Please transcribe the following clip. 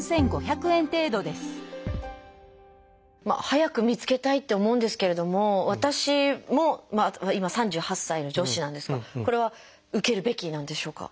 早く見つけたいって思うんですけれども私も今３８歳の女子なんですがこれは受けるべきなんでしょうか？